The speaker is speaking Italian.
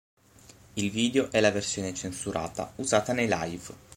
Il video è la versione censurata usata nei live.